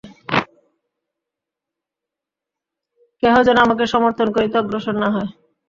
কেহ যেন আমাকে সমর্থন করিতে অগ্রসর না হয়।